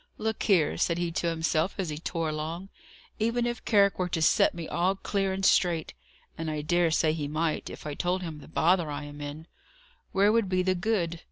"Look here," said he to himself, as he tore along, "even if Carrick were to set me all clear and straight and I dare say he might, if I told him the bother I am in where would be the good?